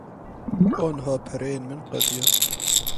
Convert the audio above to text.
Aniha pereyên min qediyan.